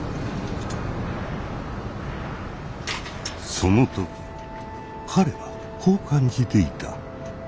その時彼はこう感じていた。